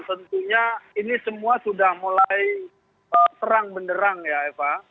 tentunya ini semua sudah mulai terang benderang ya eva